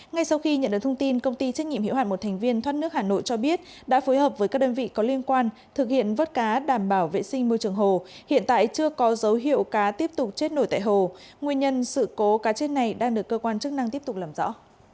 ngay sau khi nhận được thông tin công ty trách nhiệm hiệu hạn một thành viên thoát nước hà nội cho biết đã phối hợp với các đơn vị có liên quan thực hiện vớt cá đảm bảo vệ sinh môi trường hồ hiện tại chưa có dấu hiệu cá tiếp tục chết nổi tại hồ nguyên nhân sự cố cá chết này đang được cơ quan chức năng tiếp tục làm rõ